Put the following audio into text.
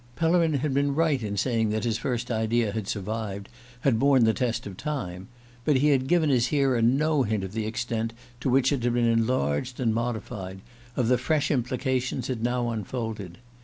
Pellerin had been right in saying that his first idea had survived, had borne the test of time; but he had given his hearer no hint of the extent to which it had been enlarged and modified, of the fresh implications it now unfolded.